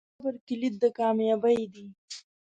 صبر کلید د کامیابۍ دی.